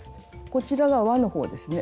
こちらが「わ」の方ですね。